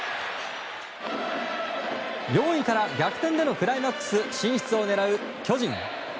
４位から逆転でのクライマックス進出を狙う巨人。